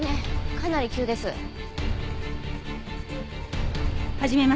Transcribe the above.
かなり急です。